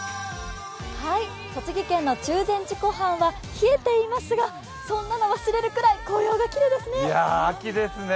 栃木県の中禅寺湖畔は冷えていますがそんなの忘れるくらい、紅葉がきれいですね。